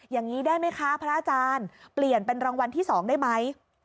อย่างนี้ได้ไหมคะพระอาจารย์เปลี่ยนเป็นรางวัลที่๒ได้ไหม